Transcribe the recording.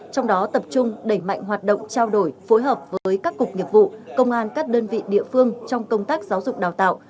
trong đó tập trung đẩy mạnh hoạt động trao đổi phối hợp với các cục nghiệp vụ công an các đơn vị địa phương trong công tác giáo dục đào tạo